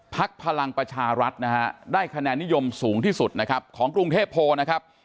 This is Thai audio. พลักษณ์พลังประชารัฐได้คะแนนิยมสูงที่สุดของกรุงเทพโพครับ